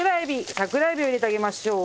桜えびを入れてあげましょう。